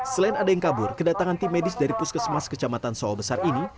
selain ada yang kabur kedatangan tim medis dari puskesmas kecamatan soho besar ini